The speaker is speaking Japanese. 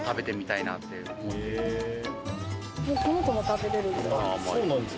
もうこの子も食べられるんで。